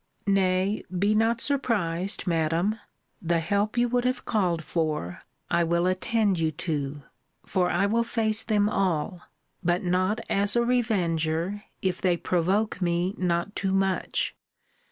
Nay, be not surprised, Madam. The help you would have called for, I will attend you to; for I will face them all: but not as a revenger, if they provoke me not too much.